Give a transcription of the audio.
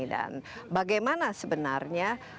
dan bagaimana sebenarnya